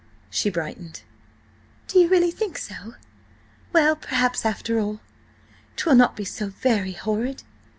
She brightened. "Do you really think so? Well, perhaps after all, 'twill not be so very horrid.